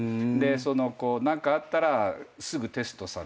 その何かあったらすぐテストされる。